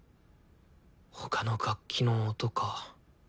他の楽器の音か。